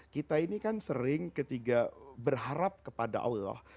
kita ini kan sering ketika berharap kepada allah